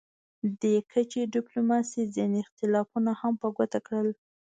دې کچې ډیپلوماسي ځینې اختلافونه هم په ګوته کړل